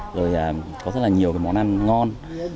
rồi có rất là nhiều món ăn ngon